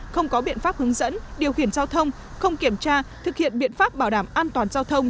không có biện pháp hướng dẫn điều khiển giao thông không kiểm tra thực hiện biện pháp bảo đảm an toàn giao thông